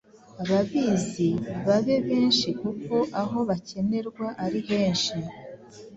ababizi babe benshi kuko aho bakenerwa ari henshi.